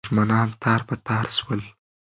دښمنان تار په تار سول.